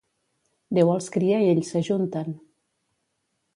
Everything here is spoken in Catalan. Déu els cria i ells s'ajunten.